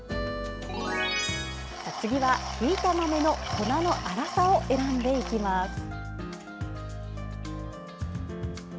次は、ひいた豆の粉の粗さを選んでいきます。